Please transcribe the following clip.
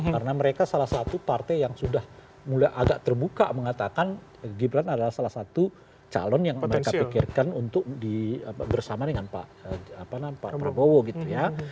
karena mereka salah satu partai yang sudah mulai agak terbuka mengatakan gibran adalah salah satu calon yang mereka pikirkan untuk bersama dengan pak prabowo gitu ya